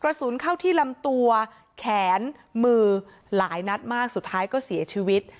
กระสุนเข้าที่ลำตัวแขนมือหลายนัดมากสุดท้ายก็เสียชีวิต